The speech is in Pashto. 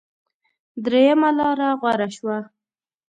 درېمه لاره غوره شوه.